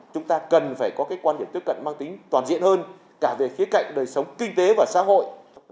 chúng ta cần phải có cái quan điểm tiếp cận mang tính toàn diện hơn cả về khía cạnh đời sống kinh tế và xã hội